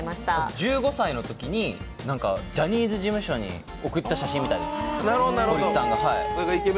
１５歳のときにジャニーズ事務所に送った写真みたいです。